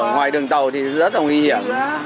ngoài đường tàu thì rất là nguy hiểm